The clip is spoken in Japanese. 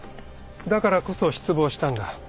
だからこそ失望したんだ。